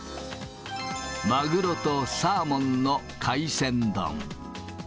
マグロとサーモンの海鮮丼。